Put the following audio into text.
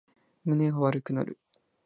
胸が悪くなる